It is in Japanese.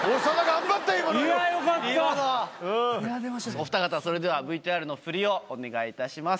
お二方それではＶＴＲの振りをお願いいたします。